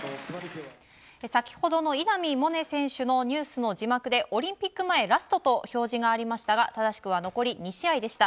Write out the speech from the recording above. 先ほどの稲見萌寧選手の字幕でオリンピック前ラストと表示がありましたが正しくは残り２試合でした。